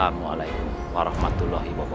assalamualaikum warahmatullahi wabarakatuh